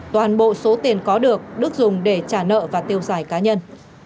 toàn bộ số tiền có được đức dùng để trả nợ và tiêu xài cá nhân